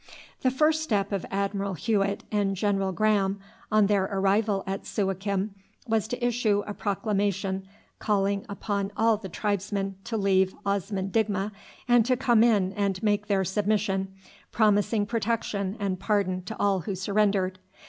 The first step of Admiral Hewett and General Graham on their arrival at Suakim was to issue a proclamation calling upon all the tribesmen to leave Osman Digma and to come in and make their submission, promising protection and pardon to all who surrendered.